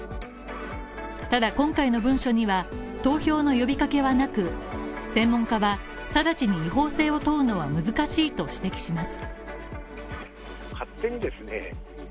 ただ今回の文書には投票の呼びかけはなく専門家は直ちに違法性を問うのは難しいと指摘します。